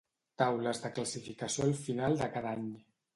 Taules de classificació al final de cada any.